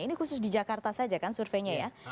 ini khusus di jakarta saja kan surveinya ya